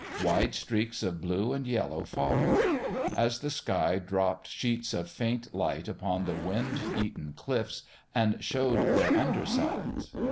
Wide streaks of blue and yellow followed, as the sky dropped sheets of faint light upon the wind eaten cliffs and showed their under sides.